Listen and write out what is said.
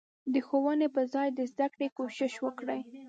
د ښوونې په ځای د زدکړې کوشش وکړي.